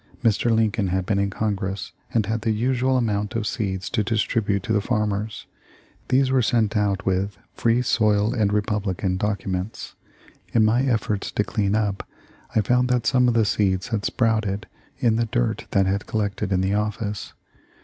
Mr. Lincoln had been in Congress and had the usual amount of seeds to distribute to the farmers. These were sent out with Free Soil and Republican docu THE LIFE OF LINCOLN. 317 ments. In my efforts to clean up, I found that some of the seeds had sprouted in the dirt that had collected in the office.